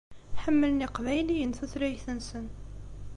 Ḥemmlen Yiqbayliyen tutlayt-nsen.